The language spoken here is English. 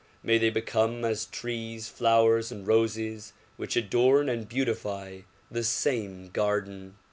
J\lay they become as trees, flowers and roses which adorn and beautify the same garden.